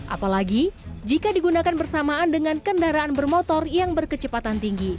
apalagi jika digunakan bersamaan dengan kendaraan bermotor yang berkecepatan tinggi